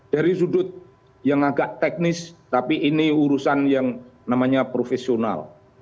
dari sudut yang agak teknis tapi ini urusan yang namanya profesional